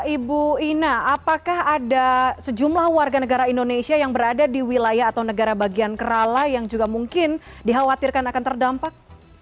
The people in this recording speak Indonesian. ibu ina apakah ada sejumlah warga negara indonesia yang berada di wilayah atau negara bagian kerala yang juga mungkin dikhawatirkan akan terdampak